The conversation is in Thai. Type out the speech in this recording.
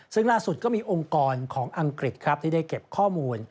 ซึ่งล่าสุดก็มีองค์กรของอังกฤษครับที่ได้เก็บข้อมูล